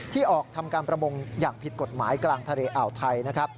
ออกทำการประมงอย่างผิดกฎหมายกลางทะเลอ่าวไทยนะครับ